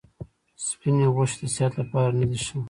سپیني غوښي د صحت لپاره نه دي ښه.